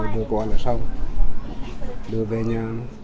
đưa cô ăn là xong đưa về nhà